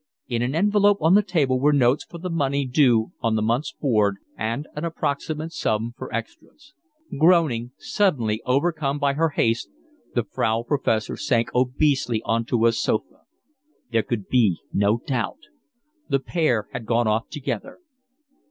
In an envelope on the table were notes for the money due on the month's board and an approximate sum for extras. Groaning, suddenly overcome by her haste, the Frau Professor sank obesely on to a sofa. There could be no doubt. The pair had gone off together.